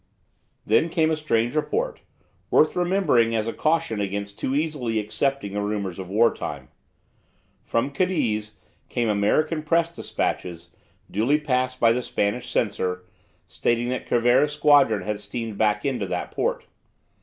Then came a strange report, worth remembering as a caution against too easily accepting the rumours of wartime. From Cadiz came American Press dispatches, duly passed by the Spanish censor, stating that Cervera's squadron had steamed back into that port.